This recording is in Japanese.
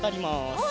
はい。